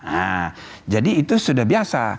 nah jadi itu sudah biasa